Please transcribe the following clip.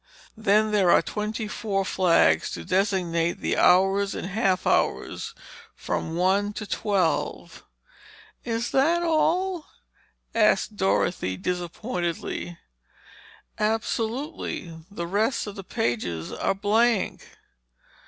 Then there are twenty four flags to designate the hours and half hours from one to twelve." "Is that all?" asked Dorothy, disappointedly. "Absolutely. The rest of the pages are blank."